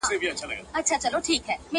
او که ولاړم تر قیامت پوري مي تله دي؛؛!